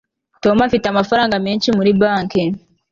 tom afite amafaranga menshi muri banki